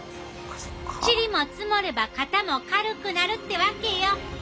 チリも積もれば肩も軽くなるってわけよ。